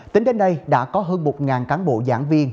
tính đến nay đã có hơn một cán bộ giảng viên